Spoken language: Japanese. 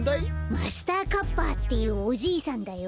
マスターカッパっていうおじいさんだよ。